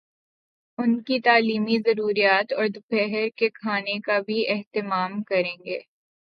ان کی تعلیمی ضروریات اور دوپہر کے کھانے کا بھی اہتمام کریں گی۔